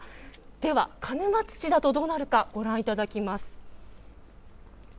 では鹿沼土だとどうなるか、ご覧いただきます。